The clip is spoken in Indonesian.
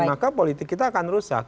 maka politik kita akan rusak